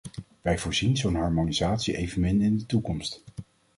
Wij voorzien zo'n harmonisatie evenmin in de toekomst.